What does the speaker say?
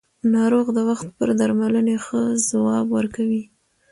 ناروغ د وخت پر درملنې ښه ځواب ورکوي